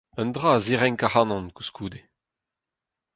Un dra a zirenk ac'hanon, koulskoude.